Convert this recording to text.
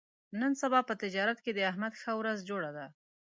نن سبا په تجارت کې د احمد ښه ورځ جوړه ده.